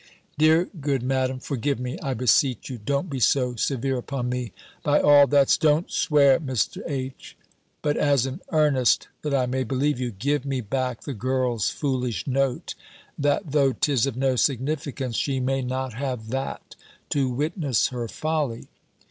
_" "Dear, good Madam, forgive me, I beseech you; don't be so severe upon me. By all that's " "Don't swear, Mr. H. But as an earnest that I may believe you, give me back the girl's foolish note, that, though 'tis of no significance, she may not have that to witness her folly."